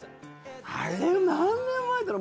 あれ何年前だろ。